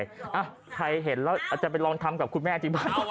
หาใครเห็นแล้วจะไปลองทำกับคุณแม่จริงไหม